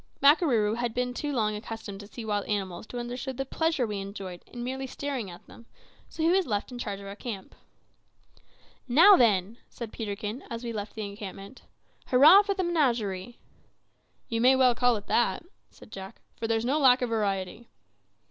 Makarooroo had been too long accustomed to see wild animals to understand the pleasure we enjoyed in merely staring at them, so he was left in charge of our camp. "Now, then," said Peterkin, as we left the encampment, "hurrah, for the menagerie!" "You may well call it that," said Jack, "for there's no lack of variety."